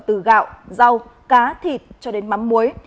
từ gạo rau cá thịt cho đến mắm muối